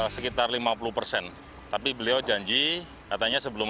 sekitar lima puluh persen tapi beliau janji katanya sebelum